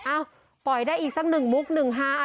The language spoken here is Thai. ปล่อยได้อีกสักหนึ่งมุกหนึ่งฮา